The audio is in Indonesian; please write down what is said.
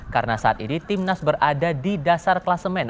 karena saat ini timnas berada di dasar kelasemen